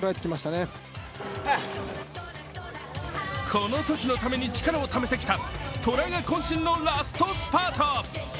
このときのために力をためてきたトラがこん身のラストスパート。